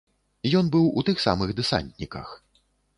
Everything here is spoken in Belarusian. Ён быў у тых самых дэсантніках.